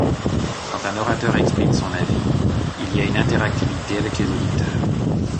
Quand un orateur exprime son avis, il y a une interactivité avec les auditeurs.